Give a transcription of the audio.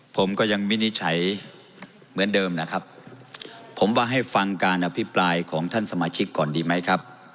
ผมก็ยังวินิจฉัยเหมือนเดิมนะครับผมว่าให้ฟังการอภิปรายของท่านสมาชิกก่อนดีไหมครับ